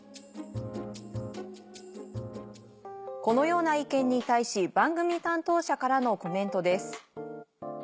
このような意見に対し番組担当者からのコメントです。